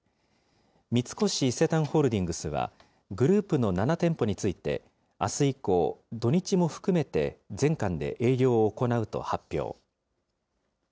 三越伊勢丹ホールディングスは、グループの７店舗について、あす以降、土日も含めて全館で営業を行うと発表。